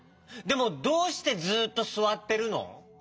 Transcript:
でもどうしてずっとすわってるの？